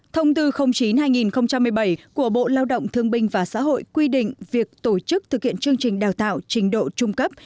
thông tư chín hai nghìn một mươi bảy của bộ lao động thương binh và xã hội quy định việc tổ chức thực hiện chương trình đào tạo trình độ trung cấp